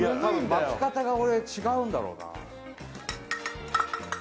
巻き方が俺違うんだろうな